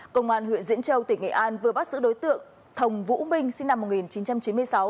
công an huyện diễn châu tỉnh nghệ an vừa bắt giữ đối tượng thồng vũ minh sinh năm một nghìn chín trăm chín mươi sáu